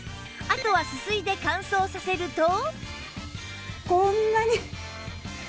あとはすすいで乾燥させると